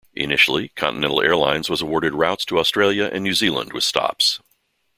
Initially, Continental Airlines was awarded routes to Australia and New Zealand with stops.